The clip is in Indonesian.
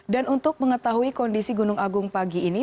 dan untuk mengetahui kondisi gunung agung pagi ini